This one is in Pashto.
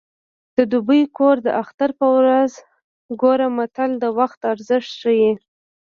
د دوبي کور د اختر په ورځ ګوره متل د وخت ارزښت ښيي